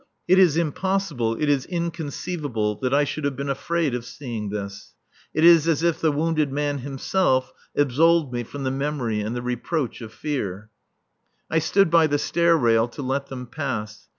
It is impossible, it is inconceivable, that I should have been afraid of seeing this. It is as if the wounded man himself absolved me from the memory and the reproach of fear. I stood by the stair rail to let them pass.